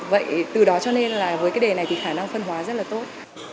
vậy từ đó cho nên là với cái đề này thì khả năng phân hóa rất là tốt